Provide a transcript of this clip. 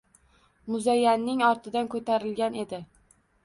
Muzayyanning ortidan ko’tarilgan edi.